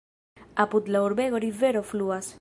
Apud la urbego rivero fluas.